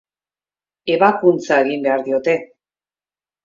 Ebakuntza egin behar diote.